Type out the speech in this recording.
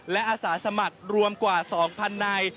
และอาสาสมัครรวมกว่า๒๐๐นาย